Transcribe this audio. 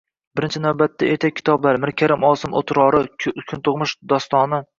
Birinchi navbatda, ertak kitoblari, Mirkarim Osimning “O‘tror”i, “Kuntug‘mish” dostoni…